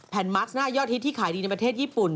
มาร์คหน้ายอดฮิตที่ขายดีในประเทศญี่ปุ่น